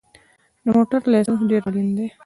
د موټر لېسنس ډېر اړین دی